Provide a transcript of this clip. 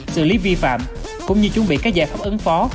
xử lý vi phạm cũng như chuẩn bị các giải pháp ứng phó